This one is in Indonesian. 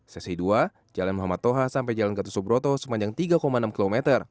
sesi dua jalan muhammad toha sampai jalan gatus subroto sepanjang tiga enam km